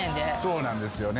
そうなんですよね。